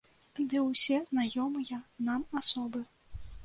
Ды ўсе знаёмыя нам асобы.